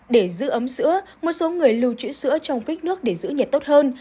để giữ ấm sữa một số người lưu trữ sữa trong phích nước để giữ nhiệt tốt hơn